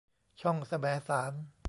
ช่องแสมสาร